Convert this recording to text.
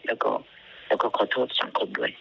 แล้วก็ขอโทษสังคมด้วย